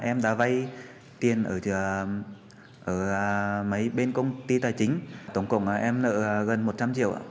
em đã vay tiền ở mấy bên công ty tài chính tổng cộng em nợ gần một trăm linh triệu ạ